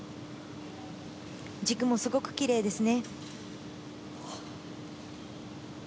軸もすごくキレイですね。